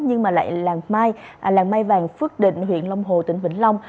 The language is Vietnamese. nhưng mà làng mai vàng phước định huyện long hồ tỉnh vĩnh long